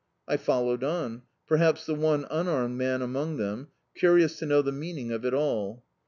I followed on, peihaps the one unarmed man among them, curious to know the meaning of it all.